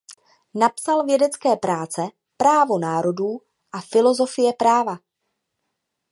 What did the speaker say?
Napsal vědecké práce "Právo národů" a "Filozofie práva".